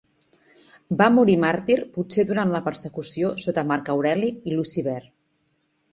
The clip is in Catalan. Va morir màrtir potser durant la persecució sota Marc Aureli i Luci Ver.